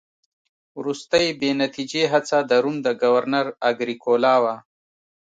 وروستۍ بې نتیجې هڅه د روم د ګورنر اګریکولا وه